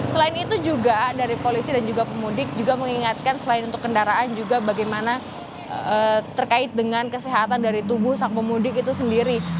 selain itu juga dari polisi dan juga pemudik juga mengingatkan selain untuk kendaraan juga bagaimana terkait dengan kesehatan dari tubuh sang pemudik itu sendiri